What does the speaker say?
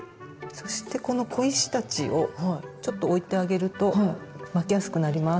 そしてこの小石たちをちょっと置いてあげると巻きやすくなります。